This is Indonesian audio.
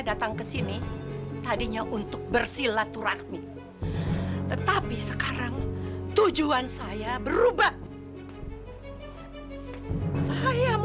datang kesini tadinya untuk bersilaturahmi tetapi sekarang tujuan saya berubah saya mau